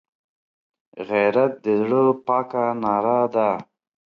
غیرت د زړه پاکه ناره ده